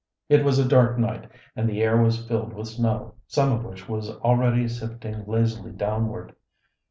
It was a dark night and the air was filled with snow, some of which was already sifting lazily downward.